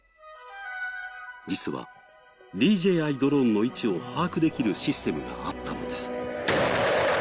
実はＤＪＩドローンの位置を把握できるシステムがあったのです。